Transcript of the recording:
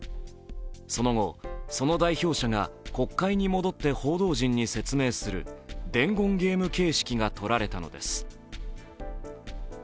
その後、その代表者が国会に戻って報道陣に説明する伝言ゲーム形式がとられたのです。